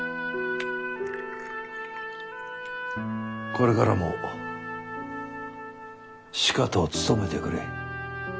これからもしかと勤めてくれ。